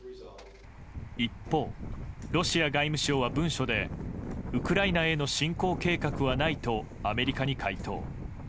一方、ロシア外務省は文書でウクライナへの侵攻計画はないとアメリカに回答。